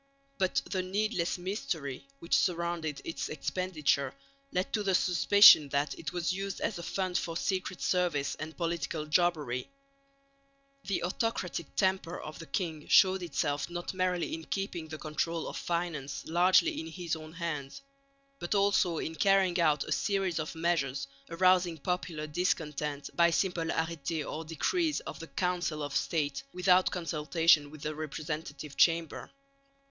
But the needless mystery which surrounded its expenditure led to the suspicion that it was used as a fund for secret service and political jobbery. The autocratic temper of the king showed itself not merely in keeping the control of finance largely in his own hands, but also in carrying out a series of measures arousing popular discontent by simple arrêtés or decrees of the Council of State without consultation with the representative Chamber.